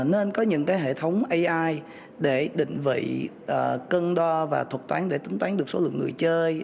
nên có những hệ thống ai để định vị cân đo và thuật toán để tính toán được số lượng người chơi